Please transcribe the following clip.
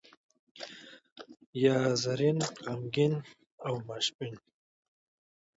یا زرین، غمګین او ماپښین.